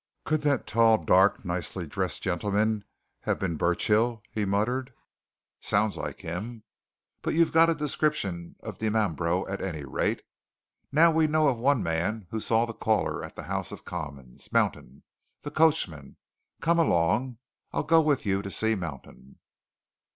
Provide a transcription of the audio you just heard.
"Could that tall, dark, nicely dressed gentleman have been Burchill?" he muttered. "Sounds like him. But you've got a description of Dimambro, at any rate. Now we know of one man who saw the caller at the House of Commons Mountain, the coachman. Come along I'll go with you to see Mountain."